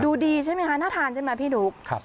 ดูดีใช่ไหมคะน่าทานใช่ไหมพี่นุ๊ก